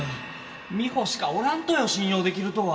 美穂しかおらんとよ信用出来るとは。